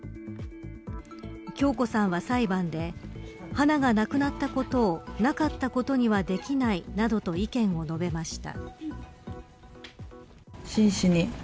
響子さんは裁判で花が亡くなったことをなかったことにはできないなどと意見を述べました。